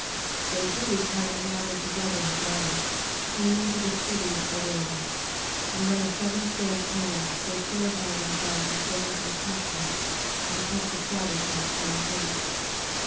12:38. So Judas having gathered together his army, came into the city Odollam: and when the seventh day came, they purified themselves according to the custom, and kept the sabbath in the same place.